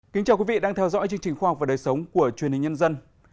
kính chào quý vị đang theo dõi chương trình khoa học và đời sống của truyền hình nhân dân